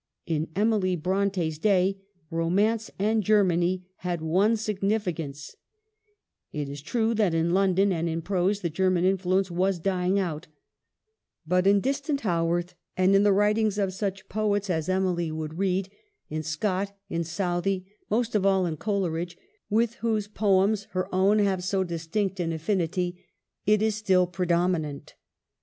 In Emily Bronte's day, Romance and Germany had one signifi cance ; it is true that in London and in prose the German influence was dying out, but in distant Haworth, and in the writings of such poets as 222 EMILY BRONTE. Emily would read, in Scott, in Southey, most of all in Coleridge, with whose poems her own have so distinct an affinity, it is still predominant.